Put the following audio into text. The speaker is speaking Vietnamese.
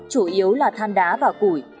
chủ yếu là than đá và củi